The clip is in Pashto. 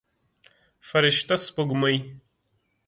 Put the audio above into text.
فرشته سپوږمۍ